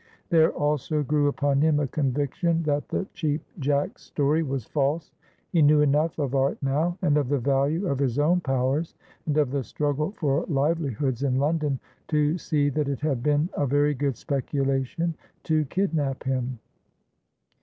There also grew upon him a conviction that the Cheap Jack's story was false. He knew enough of art now, and of the value of his own powers, and of the struggle for livelihoods in London, to see that it had been a very good speculation to kidnap him.